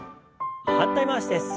反対回しです。